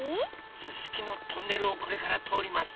すすきのトンネルをこれからとおります。